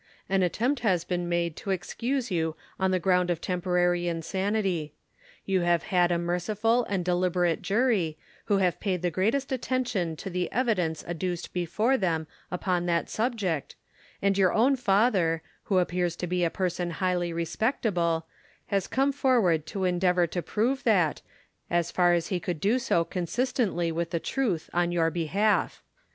An attempt has been made to excuse you on the ground of temporary insanity. You have had a merciful and deliberate jury, who have paid the greatest attention to to the evidence adduced before them upon that subject, and your own father, who appears to be a person highly respectable, has come forward to endeavour to prove that, as far as he could do so consistently with the truth on your behalf.